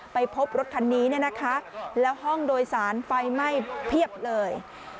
ไปพบรถคันนี้เนี่ยนะคะแล้วห้องโดยสารไฟไหม้เพียบเลย